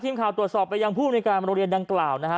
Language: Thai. ทีมข่าวตรวจสอบไปยังผู้ในการโรงเรียนดังกล่าวนะฮะ